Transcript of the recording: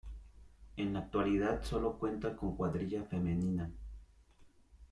En la actualidad sólo cuenta con cuadrilla femenina.